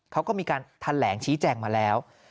เขาก็มีการแถลงชี้แจงมาแล้ว